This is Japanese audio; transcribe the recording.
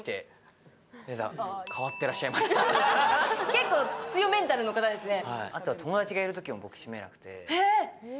結構、強メンタルの方ですね。